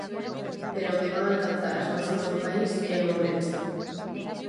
Pero onde van alcanzar as máximas do país é en Ourense.